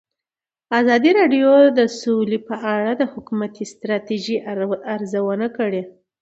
ازادي راډیو د سوله په اړه د حکومتي ستراتیژۍ ارزونه کړې.